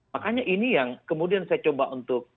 makanya ini yang kemudian saya coba untuk